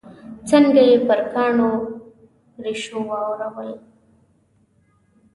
څنګه یې پر کاڼو ریشو واورول.